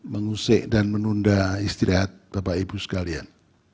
mengusik dan menunda istirahat bapak ibu sekalian